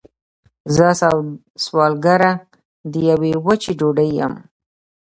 زه سوالګره د یوې وچې ډوډۍ یم